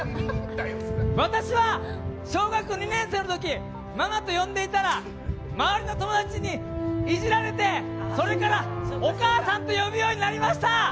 私は小学２年生の時ママと呼んでいたら周りの友達にイジられて、それからお母さんと呼ぶようになりました。